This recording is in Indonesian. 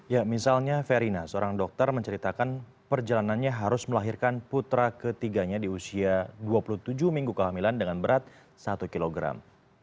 ya misalnya verina seorang dokter menceritakan perjalanannya harus melahirkan putra ketiganya di usia dua puluh tujuh minggu kehamilan dengan berat satu kilogram